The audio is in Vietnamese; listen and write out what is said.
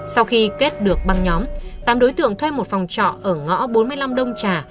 sau khi kết được băng nhóm tám đối tượng thuê một phòng trọ ở ngõ bốn mươi năm đông trà